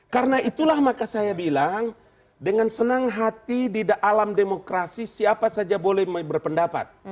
karena itulah maka saya bilang dengan senang hati di dalam demokrasi siapa saja boleh berpendapat